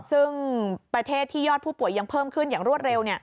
ซึ่งประเทศที่ยอดผู้ป่วยยังเพิ่มขึ้นอย่างรวดเร็ว